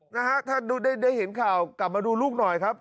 นะฮะถ้าได้ได้เห็นข่าวกลับมาดูลูกหน่อยครับ